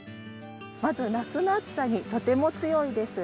まず夏の暑さにとても強いです。